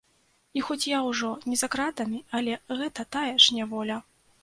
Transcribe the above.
І хоць я ўжо не за кратамі, але гэта тая ж няволя.